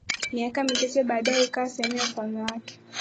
Miaka michache baadae ikawa sehemu ya ufalme wake